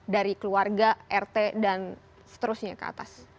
dari keluarga rt dan seterusnya ke atas